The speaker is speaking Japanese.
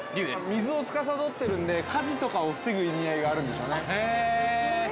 ◆水をつかさどっているんで、火事とかを防ぐ意味合いがあるんでしょうね。